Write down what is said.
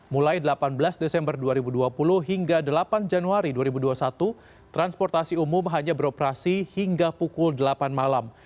mulai delapan belas desember dua ribu dua puluh hingga delapan januari dua ribu dua puluh satu transportasi umum hanya beroperasi hingga pukul delapan malam